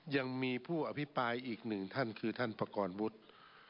ยังมีผู้อภิปรายอีกหนึ่งท่านคือท่านประกอบวุฒิ